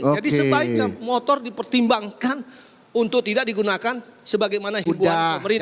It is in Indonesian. sebaiknya motor dipertimbangkan untuk tidak digunakan sebagaimana hiburan